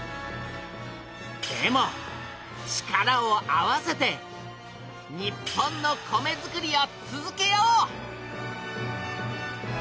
でも力を合わせて日本の米づくりを続けよう！